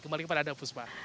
kembali kepada anda fusma